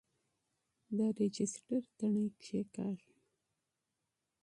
د رجسټر تڼۍ کیکاږئ.